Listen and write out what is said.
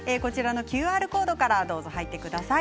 ＱＲコードから入ってください。